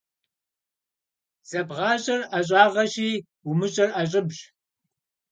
ЗэбгъащӀэр ӀэщӀагъэщи, умыщӀэр ӀэщӀыбщ.